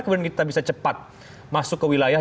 kemudian kita bisa cepat masuk ke wilayah